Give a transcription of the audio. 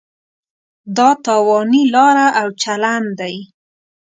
دا تاواني لاره او چلن دی.